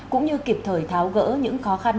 cũng như kiếp thời tháo gỡ những khó khăn